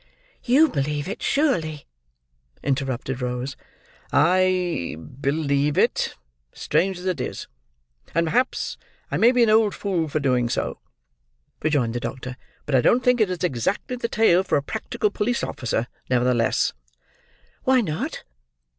"You believe it, surely?" interrupted Rose. "I believe it, strange as it is; and perhaps I may be an old fool for doing so," rejoined the doctor; "but I don't think it is exactly the tale for a practical police officer, nevertheless." "Why not?"